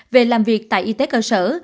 về làm việc tại y tế cơ sở